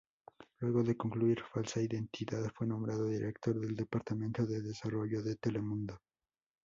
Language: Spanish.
Luego de concluir Falsa Identidad, fue nombrado Director del departamento de Desarrollo de Telemundo.